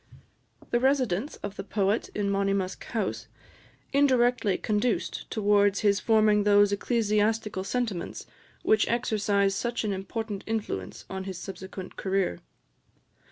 The residence of the poet in Monymusk House indirectly conduced towards his forming those ecclesiastical sentiments which exercised such an important influence on his subsequent career.